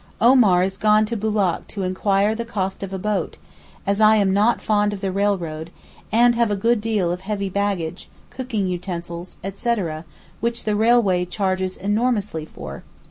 Omar is gone to Boulak to inquire the cost of a boat, as I am not fond of the railroad, and have a good deal of heavy baggage, cooking utensils, etc., which the railway charges enormously for.